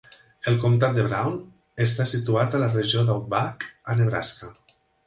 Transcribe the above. El comtat de Brown està situat a la regió d'Outback a Nebraska.